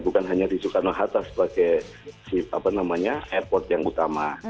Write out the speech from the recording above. bukan hanya di soekarno hatta sebagai si apa namanya airport yang utama